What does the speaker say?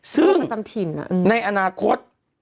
ซึ่งในอนาคต